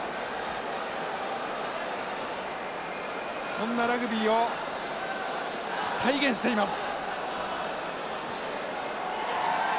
そんなラグビーを体現しています。